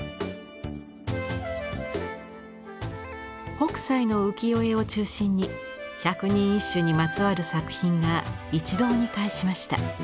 北斎の浮世絵を中心に百人一首にまつわる作品が一堂に会しました。